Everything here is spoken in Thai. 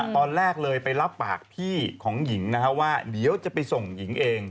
ตอนแรกเลยไปรับปากพี่ของหญิงนะฮะว่าเดี๋ยวจะไปส่งหญิงเอง